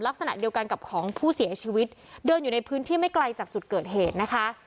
ลักษณะเดียวกันกับของผู้เสียชีวิตเดินอยู่ในพื้นที่ไม่ไกลจากจุดเกิดเหตุนะคะ